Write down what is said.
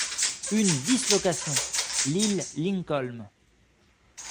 Une dislocation ! l’île Lincoln